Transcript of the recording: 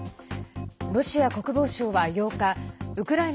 ロシア国防省は８日ウクライナ